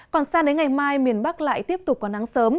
còn sang đến ngày mai miền bắc lại tiếp tục có nắng sớm